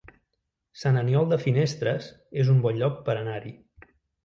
Sant Aniol de Finestres es un bon lloc per anar-hi